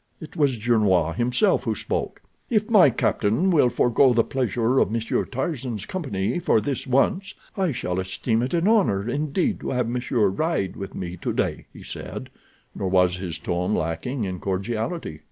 It was Gernois himself who spoke. "If my captain will forego the pleasure of Monsieur Tarzan's company for this once, I shall esteem it an honor indeed to have monsieur ride with me today," he said, nor was his tone lacking in cordiality.